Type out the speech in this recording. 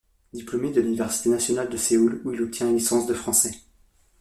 Diplômé de l'université nationale de Séoul où il obtient une licence de français.